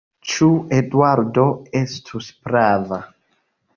Ĉu Eduardo estus prava?